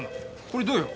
これどうよ？